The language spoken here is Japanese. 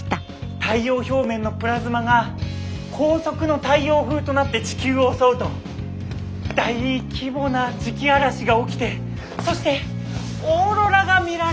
太陽表面のプラズマが高速の太陽風となって地球を襲うと大規模な磁気嵐が起きてそしてオーロラが見られます。